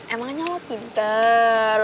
emangnya lu pinter